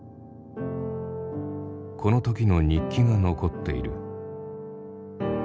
この時の日記が残っている。